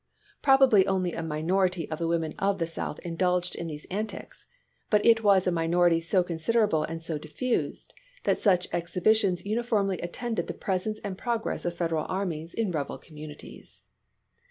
Prob ably only a minority of the women of the South indulged in these antics ; but it was a minority so considerable and so diffused that such exhibitions uniformly attended the presence and progress of Federal armies in rebel communities.